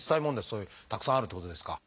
そういうたくさんあるってことですか？